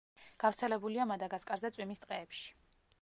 გავრცელებულია მადაგასკარზე წვიმის ტყეებში.